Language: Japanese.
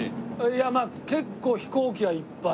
いやまあ結構飛行機はいっぱい。